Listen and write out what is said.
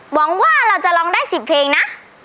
หวังว่าเราจะร้องได้๑๐เพลงนะ